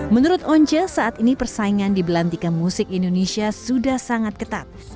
menurut once saat ini persaingan di belantika musik indonesia sudah sangat ketat